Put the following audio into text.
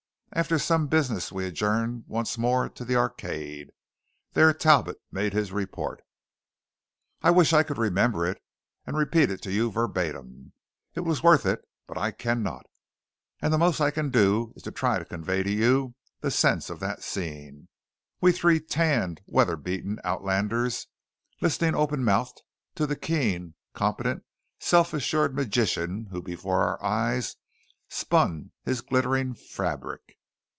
After some business we adjourned once more to the Arcade. There Talbot made his report. I wish I could remember it, and repeat it to you verbatim. It was worth it. But I cannot; and the most I can do is to try to convey to you the sense of that scene we three tanned, weather beaten outlanders listening open mouthed to the keen, competent, self assured magician who before our eyes spun his glittering fabric.